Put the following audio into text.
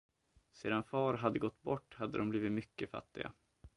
Sedan far hade gått bort hade de blivit mycket fattiga.